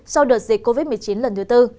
sau đợt dịch covid một mươi chín lần thứ tư